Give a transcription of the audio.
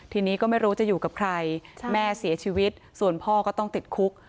ทีนี้ก็ไม่รู้จะอยู่กับใครแม่เสียชีวิตส่วนพ่อก็ต้องติดคุก